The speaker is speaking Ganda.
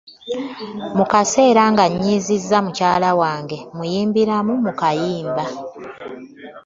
Mu kaseera nga nnyiizizza mukyala wange muyimbiramu ku nnyimba